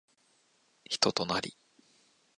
人となり